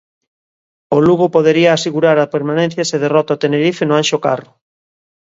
O Lugo podería asegurar a permanencia se derrota o Tenerife no Anxo Carro.